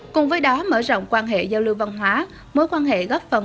cùng với đó mở rộng quan hệ giao lưu văn hóa mối quan hệ góp phần